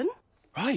はい。